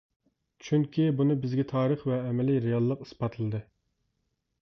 چۈنكى بۇنى بىزگە تارىخ ۋە ئەمەلىي رېئاللىق ئىسپاتلىدى.